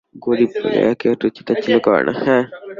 গরিব বলিয়া কেহ তুচ্ছ-তাচ্ছিল্য করে না।